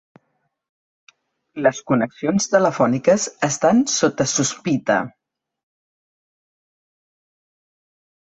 Les connexions telefòniques estan sota sospita.